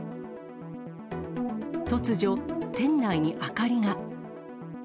突如、店内に明かりが。